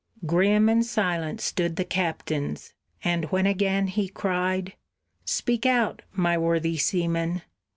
Grim and silent stood the captains; and when again he cried, "Speak out, my worthy seamen!"